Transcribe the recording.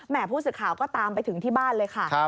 ผู้สื่อข่าวก็ตามไปถึงที่บ้านเลยค่ะ